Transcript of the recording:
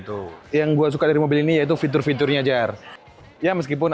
cooling cloud ev ini kayak gitu yang gua suka dari mobil ini yaitu fitur fiturnya jar ya meskipun